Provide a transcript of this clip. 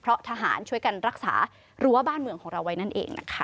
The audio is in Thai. เพราะทหารช่วยกันรักษารั้วบ้านเมืองของเราไว้นั่นเองนะคะ